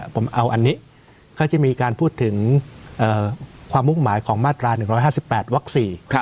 ผมเอาอันนี้เขาจะมีการพูดถึงความมุ่งหมายของมาตรา๑๕๘วัก๔